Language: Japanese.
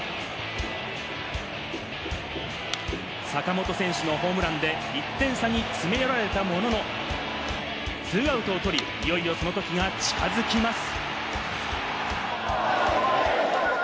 坂本選手のホームランで１点差に詰め寄られたものの、２アウトを取り、いよいよそのときが近づきます。